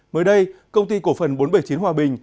mới đây công ty cổ phần bốn trăm bảy mươi chín hòa bình